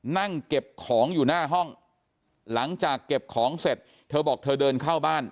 นั่งเก็บของอยู่หน้าห้องหลังจากเก็บของเสร็จเธอบอกเธอเดินเข้าบ้าน